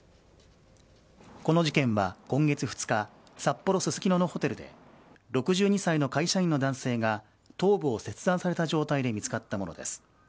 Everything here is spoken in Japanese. この事件は今月２日札幌・ススキノのホテルで６２歳の会社員の男性が頭部を切断された状態で見つかったものです。